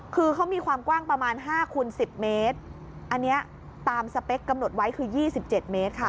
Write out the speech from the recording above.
คือเขามีความกว้างประมาณห้าคูณสิบเมตรอันเนี้ยตามสเปคกำหนดไว้คือยี่สิบเจ็ดเมตรค่ะ